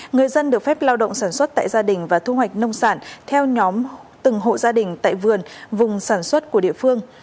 người dân được phép lao động sản xuất tại gia đình và thu hoạch nông sản theo nhóm từng hộ gia đình tại vườn vùng sản xuất của địa phương